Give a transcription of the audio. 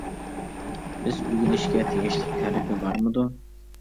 بىز ئۆگىنىشكە تېگىشلىك تەرىپى بارمىدۇ؟ !